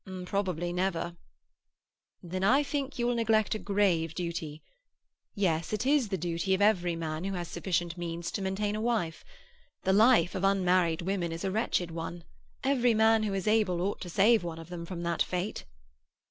"Probably never." "Then I think you will neglect a grave duty. Yes. It is the duty of every man, who has sufficient means, to maintain a wife. The life of unmarried women is a wretched one; every man who is able ought to save one of them from that fate."